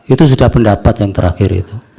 itu sudah pendapat yang terakhir itu